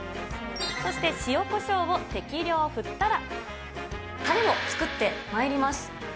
そして塩こしょうを適量振ったら、たれを作ってまいります。